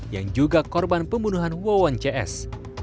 yang juga korban pembunuhan wawan cs